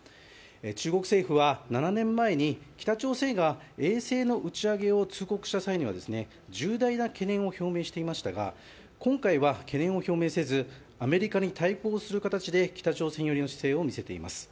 中国政府は７年前に北朝鮮が衛星の打ち上げを通告した際には重大な懸念を表明していましたが今回は懸念を表明せずアメリカに対抗する形で北朝鮮寄りの姿勢を見せています。